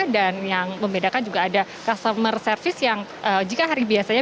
dan yang membedakan juga ada customer service yang jika hari biasanya